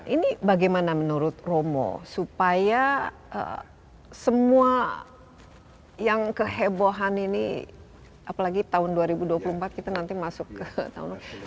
ini bagaimana menurut romo supaya semua yang kehebohan ini apalagi tahun dua ribu dua puluh empat kita nanti masuk ke tahun dua ribu dua puluh